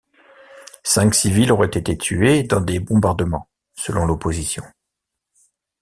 Cinq civils auraient été tués dans des bombardements selon l'opposition.